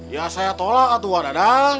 ya saya tolak atuh wadah